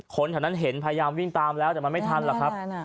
คนที่เห็นพยายามวิ่งตามแล้วแต่มันไม่ทันละครับ